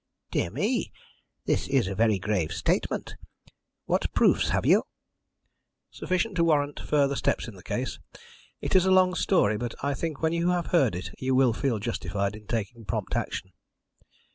"Dear me! This is a very grave statement. What proofs have you?" "Sufficient to warrant further steps in the case. It is a long story, but I think when you have heard it you will feel justified in taking prompt action."